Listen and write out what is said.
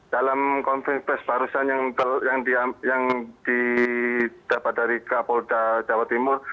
dalam konflik pes barusan yang didapat dari kapolta jawa timur